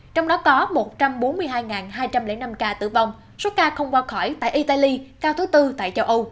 trong đó có một trăm bốn mươi hai hai trăm linh năm ca tử vong số ca không qua khỏi tại italy cao thứ bốn tại châu âu